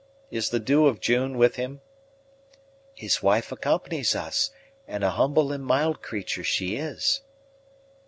Is the Dew of June with him?" "His wife accompanies us, and a humble and mild creature she is."